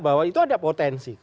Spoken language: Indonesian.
bahwa itu ada potensi